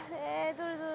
どれどれ。